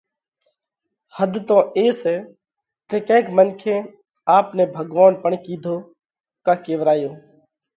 حڌ تو اي سئہ جي ڪينڪ منکي آپ نئہ ڀڳوونَ پڻ ڪِيڌو ڪا ڪيوَرايو۔